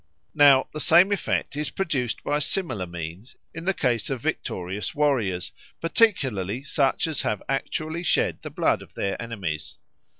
Now the same effect is produced by similar means in the case of victorious warriors, particularly such as have actually shed the blood of their enemies.